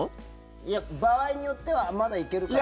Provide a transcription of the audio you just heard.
いや、場合によってはまだいけるかな。